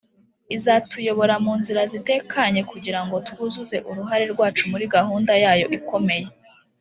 izatuyobora mu nzira zitekanye kugira ngo twuzuze uruhare rwacu muri gahunda Yayo ikomeye